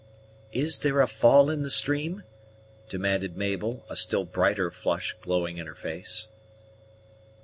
"Is there a fall in the stream?" demanded Mabel, a still brighter flush glowing in her face.